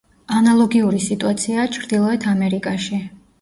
ანალოგიური სიტუაციაა ჩრდილოეთ ამერიკაში.